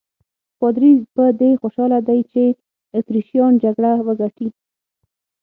پادري په دې خوشاله دی چې اتریشیان جګړه وګټي.